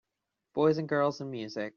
Boys and girls and music.